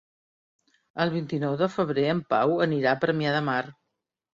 El vint-i-nou de febrer en Pau anirà a Premià de Mar.